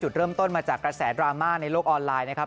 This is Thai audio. เริ่มต้นมาจากกระแสดราม่าในโลกออนไลน์นะครับ